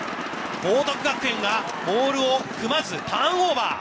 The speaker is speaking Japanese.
報徳学園がモールを組まずターンオーバー。